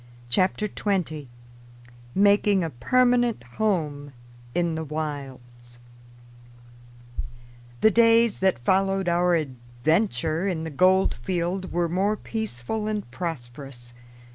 ] CHAPTER TWENTY MAKING A PERMANENT HOME IN THE WILDS THE days that followed our venture in the gold field were more peaceful and prosperous.